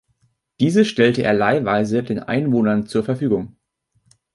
Diese stellte er leihweise den Einwohnern zur Verfügung.